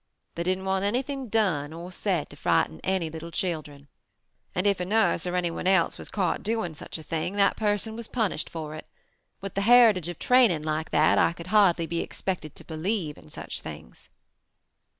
They didn't want anything said or done to frighten any little children, and if a nurse or anyone else was caught doing such a thing, that person was punished for it. With the heritage of training like that I could hardly be expected to believe in such things.